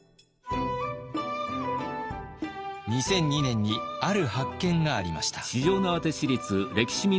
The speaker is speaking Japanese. ２００２年にある発見がありました。